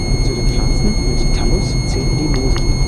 Zu den Pflanzen mit Thallus zählen die Moose.